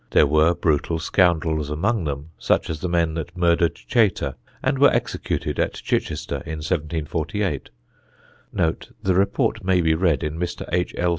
There were brutal scoundrels among them, such as the men that murdered Chater and were executed at Chichester in 1748 (the report may be read in Mr. H. L.